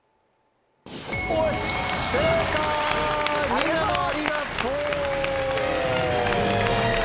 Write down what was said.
みんなもありがとう！